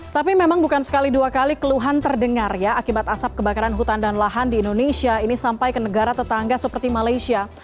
tapi memang bukan sekali dua kali keluhan terdengar ya akibat asap kebakaran hutan dan lahan di indonesia ini sampai ke negara tetangga seperti malaysia